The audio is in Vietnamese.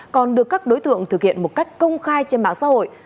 còn được các đối tượng thực hiện một cách công khai trên mạng xã hội